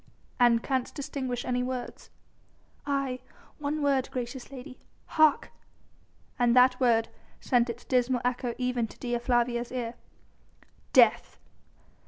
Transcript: "And canst distinguish any words?" "Aye, one word, gracious lady ... Hark!" And that word sent its dismal echo even to Dea Flavia's ear. "Death!"